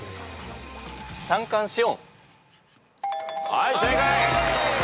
はい正解。